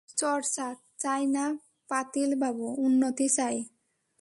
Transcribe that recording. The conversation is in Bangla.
চর্চা চাই না পাটিল বাবু, উন্নতি চাই।